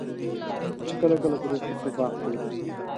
چې کله کله د روغتون په باغ کښې وګرځم.